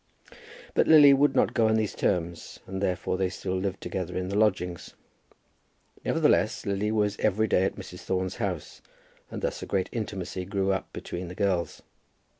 But Lily would not go on those terms, and therefore they still lived together in the lodgings. Nevertheless Lily was every day at Mrs. Thorne's house, and thus a great intimacy grew up between the girls.